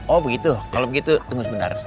oh begitu kalau begitu tunggu sebentar